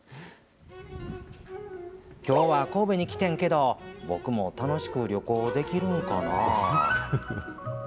きょうは神戸に来てんけど、僕も楽しく旅行できるんかなぁ？